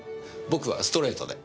僕はストレートで。